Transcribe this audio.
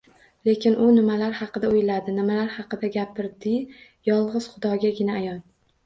Lekin u nimalar haqida oʻyladi, nimalar haqida gapirdiyolgʻiz Xudogagina ayon